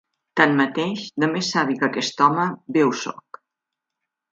Tanmateix, de més savi que aquest home, bé ho sóc.